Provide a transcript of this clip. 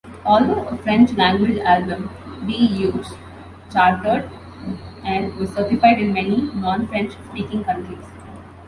Although a French-language album, "D'eux" charted and was certified in many non-French speaking countries.